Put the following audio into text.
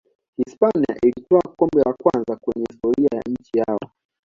hispania ilitwaa kombe la kwanza kwenye historia ya nchi yao